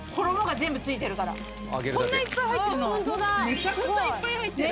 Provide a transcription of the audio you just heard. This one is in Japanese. めっちゃいっぱい入ってるよ。